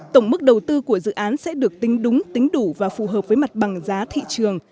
tổng mức đầu tư của dự án sẽ được tính đúng tính đủ và phù hợp với mặt bằng giá thị trường